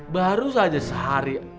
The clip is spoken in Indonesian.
duh baru saja sehari